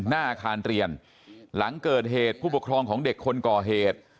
หน้าอาคารเรียนหลังเกิดเหตุผู้ปกครองของเด็กคนก่อเหตุ